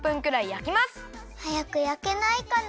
はやくやけないかな。